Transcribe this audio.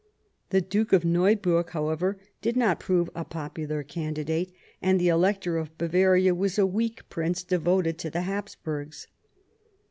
The Duke of Neuburg, however, did not prove a popular candidate, and the Elector of Bavaria was a weak prince devoted to the Hapsburgs.